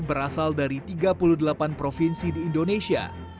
berasal dari tiga puluh delapan provinsi di indonesia